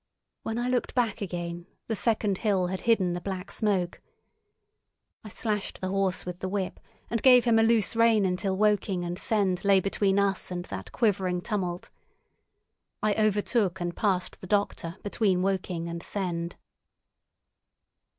When I looked back again the second hill had hidden the black smoke. I slashed the horse with the whip, and gave him a loose rein until Woking and Send lay between us and that quivering tumult. I overtook and passed the doctor between Woking and Send.